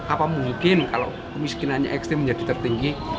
apa mungkin kalau kemiskinannya ekstrim menjadi tertinggi